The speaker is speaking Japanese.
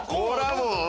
もう！